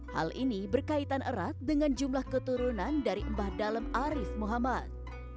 hal ini berkaitan erat dengan jumlah keturunan dari mbah dalem arief muhammad